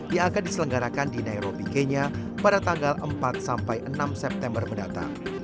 yang akan diselenggarakan di nairobi kenya pada tanggal empat sampai enam september mendatang